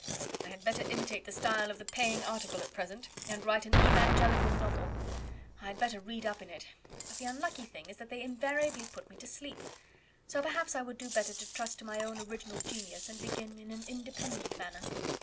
"I had better imitate the style of the paying article at present, and write an evangelical novel. I had better read up in it; but the unlucky thing is that they invariably put me to sleep; so perhaps I would do better to trust to my own original genius, and begin in an independent manner."